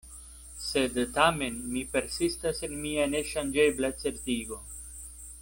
Sed tamen mi persistas en mia neŝanĝebla certigo.